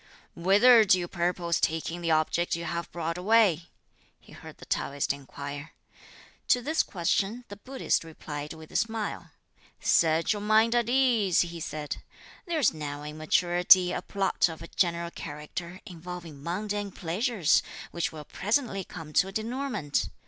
"Whither do you purpose taking the object you have brought away?" he heard the Taoist inquire. To this question the Buddhist replied with a smile: "Set your mind at ease," he said; "there's now in maturity a plot of a general character involving mundane pleasures, which will presently come to a denouement.